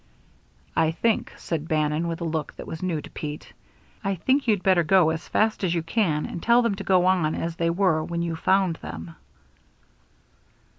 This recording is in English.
"I think," said Bannon, with a look that was new to Pete, "I think you'd better go as fast as you can and tell them to go on as they were when you found them."